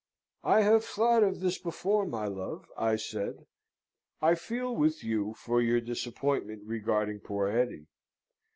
"I have thought of this before, my love," I said. "I feel with you for your disappointment regarding poor Hetty."